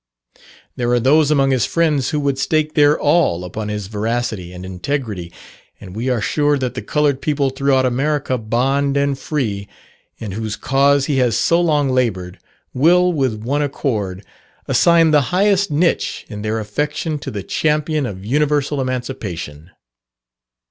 There are those among his friends who would stake their all upon his veracity and integrity; and we are sure that the coloured people throughout America, bond and free, in whose cause he has so long laboured, will, with one accord, assign the highest niche in their affection to the champion of universal emancipation.